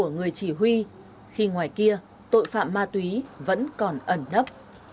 người chỉ huy khi ngoài kia tội phạm ma túy vẫn còn ẩn nấp